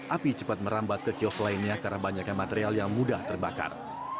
api cepat merambat ke kios lainnya karena banyaknya material yang mudah terbakar